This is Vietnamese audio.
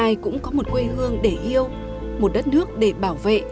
ai cũng có một quê hương để yêu một đất nước để bảo vệ